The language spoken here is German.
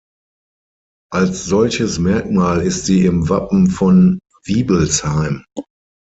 Als solches Merkmal ist sie im Wappen von Wiebelsheim.